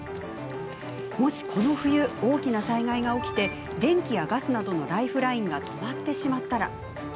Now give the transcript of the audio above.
もしこの冬、大きな災害が起きて電気やガスなどのライフラインが止まってしまったら。